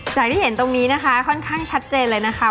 ที่เห็นตรงนี้นะคะค่อนข้างชัดเจนเลยนะคะ